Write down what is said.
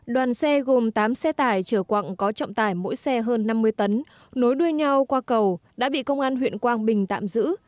đoàn xe gồm tám xe tải chở quặng có trọng tải mỗi xe hơn năm mươi tấn nối đuôi nhau qua cầu đã bị công an huyện quang bình tạm giữ